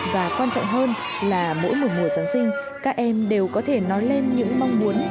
và quan trọng hơn là mỗi một mùa giáng sinh các em đều có thể nói lên những mong muốn